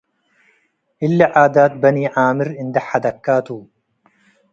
እሊ ዓዳት በኒ-ዓምር እንዴ ሐደግከ ቱ ።